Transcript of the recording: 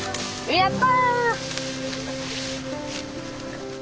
やった！